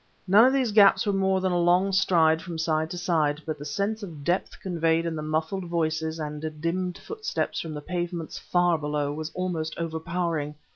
None of these gaps were more than a long stride from side to side; but the sense of depth conveyed in the muffled voices and dimmed footsteps from the pavements far below was almost overpowering.